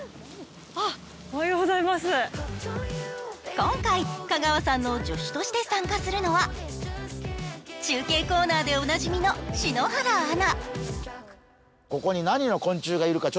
今回、香川さんの助手として参加するのは中継コーナーでおなじみの篠原アナ。